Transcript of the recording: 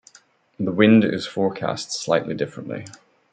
The wind is forecast slightly differently.